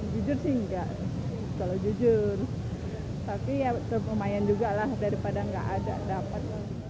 jujur sih enggak kalau jujur tapi ya lumayan juga lah daripada nggak ada dapat